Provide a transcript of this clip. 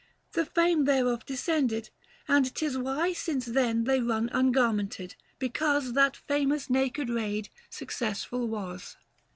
The fame thereof descended, and 'tis why Since then they run ungarmented ; because 390 That famous naked raid successful was.